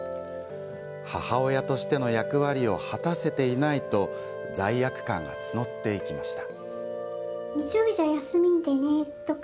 「母親としての役割を果たせていない」と罪悪感が募っていきました。